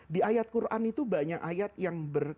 di ayat quran itu banyak ayat yang